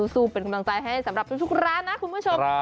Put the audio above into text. สู้เป็นกำลังใจให้สำหรับทุกร้านนะคุณผู้ชม